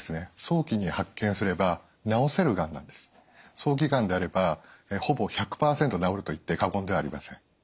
早期がんであればほぼ１００％治ると言って過言ではありません。